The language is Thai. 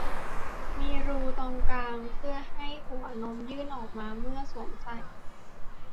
มีรูตรงกลาง เพื่อให้หัวนมยื่นออกมาเมื่อสวมใส่